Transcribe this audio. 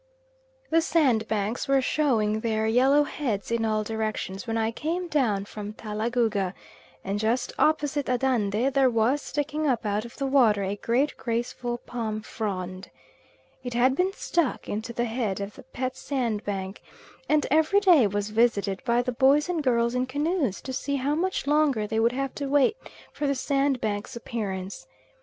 The sandbanks were showing their yellow heads in all directions when I came down from Talagouga, and just opposite Andande there was sticking up out of the water a great, graceful, palm frond. It had been stuck into the head of the pet sandbank, and every day was visited by the boys and girls in canoes to see how much longer they would have to wait for the sandbank's appearance.